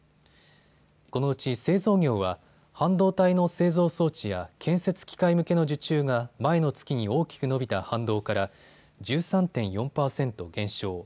このうち製造業は半導体の製造装置や建設機械向けの受注が前の月に大きく伸びた反動から１３．４％減少。